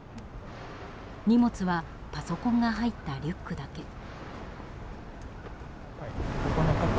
荷物はパソコンが入ったリュックだけ。